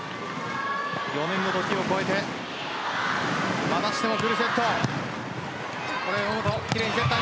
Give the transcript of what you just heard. ４年目の時を越えてまたしてもフルセット。